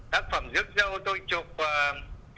tác phẩm rước dâu tôi chụp